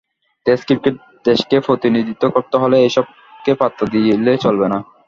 Test ক্রিকেটে দেশকে প্রতিনিধিত্ব করতে হলে এসবকে পাত্তা দিলে চলবে না।